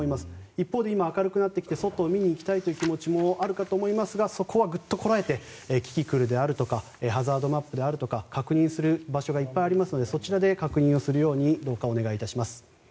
一方で今明るくなってきて外を見に行きたいという気持ちもあるかと思いますがそこはぐっとこらえてキキクルであるとかハザードマップであるとか確認する場所がたくさんありますのでそちらで確認をするようにお願いいたします。